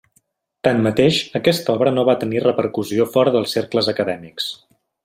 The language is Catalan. Tanmateix aquesta obra no va tenir repercussió fora dels cercles acadèmics.